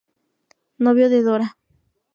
Novio de Dora.